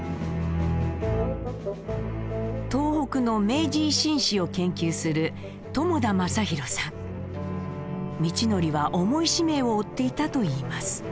東北の明治維新史を研究する道徳は重い使命を負っていたといいます。